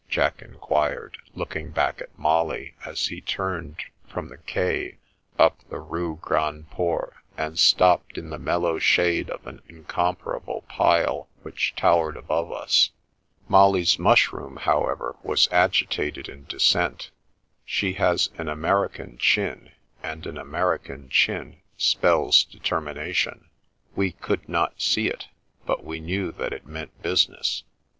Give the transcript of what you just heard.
" Jack inquired, looking back at Molly as he turned from the quay up the Rue Grand Port, and stopped in the mellow shade of an incomparable pile which towered above us. Molly's mushroom, however, was agitated in dis sent. She has an American chin, and an American chin spells determination. We could not see it, but we knew that it meant business.